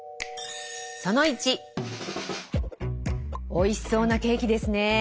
おいしそうなケーキですねぇ。